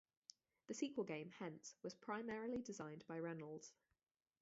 The sequel game, hence, was primarily designed by Reynolds.